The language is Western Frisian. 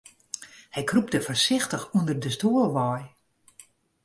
Hy krûpte foarsichtich ûnder de stoel wei.